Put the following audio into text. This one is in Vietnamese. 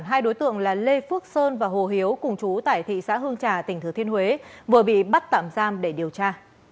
hai đối tượng là lê phước sơn và hồ hiếu cùng chú tại thị xã hương trà tỉnh thừa thiên huế vừa bị bắt tạm giam để điều tra